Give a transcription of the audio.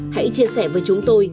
hãy chia sẻ với chúng tôi